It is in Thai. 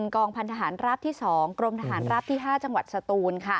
กองพันธหารราบที่๒กรมทหารราบที่๕จังหวัดสตูน